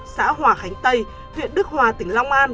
xã hòa khánh tây huyện đức hòa tỉnh long an